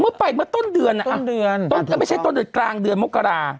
เมื่อไปเมื่อต้นเดือนอะต้นเดือนแต่ไม่ใช่ต้นเดือนกลางเดือนมกรา